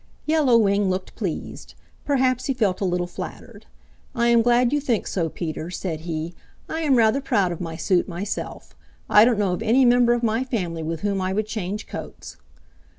Yellow Wing looked pleased. Perhaps he felt a little flattered. "I am glad you think so, Peter," said he. "I am rather proud of my suit, myself. I don't know of any member of my family with whom I would change coats."